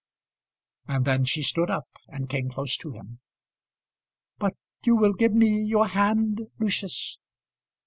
And then she stood up and came close to him. "But you will give me your hand, Lucius?"